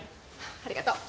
ありがとう。